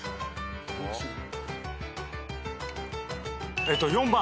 えっと４番。